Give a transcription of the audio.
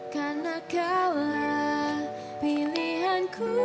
karena kau lah pilihanku